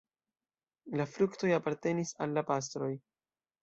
La fruktoj apartenis al la pastroj.